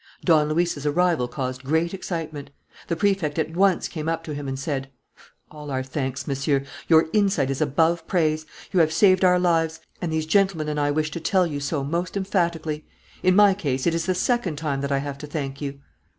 Don Luis's arrival caused great excitement. The Prefect at once came up to him and said: "All our thanks, Monsieur. Your insight is above praise. You have saved our lives; and these gentlemen and I wish to tell you so most emphatically. In my case, it is the second time that I have to thank you."